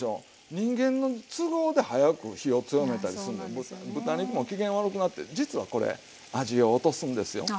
人間の都合で早く火を強めたりするの豚肉も機嫌悪くなって実はこれ味を落とすんですよ。